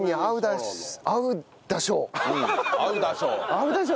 「合うだしょ」。